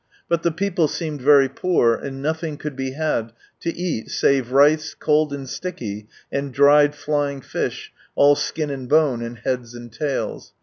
But the people seemed very poor, and nothing could be had to eat save rice, cold and sticky, and dried flying fish, all skin and bone, and heads and tails.